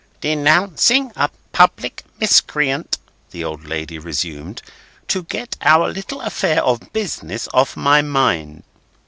"'Denouncing a public miscreant—'"—the old lady resumed, "'to get our little affair of business off my mind.